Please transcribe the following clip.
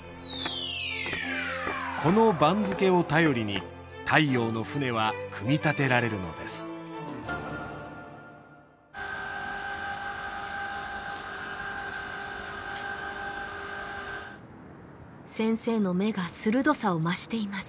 この番付を頼りに太陽の船は組み立てられるのです先生の目が鋭さを増しています